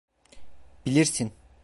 Bilirsin...